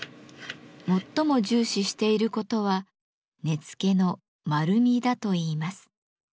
最も重視していることは根付の「丸み」だといいます。